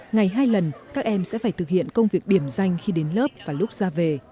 ngày hai lần các em sẽ phải thực hiện công việc điểm danh khi đến lớp và lúc ra về